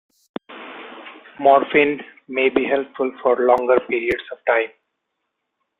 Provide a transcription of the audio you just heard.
Morphine may be helpful for longer periods of time.